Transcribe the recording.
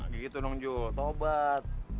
gitu dong jul tobat